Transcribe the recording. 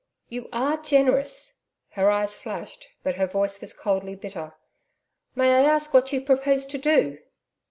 'You are generous.' Her eyes flashed but her voice was coldly bitter. 'May I ask what you propose to do?'